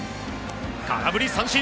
空振り三振。